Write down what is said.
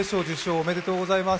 ありがとうございます。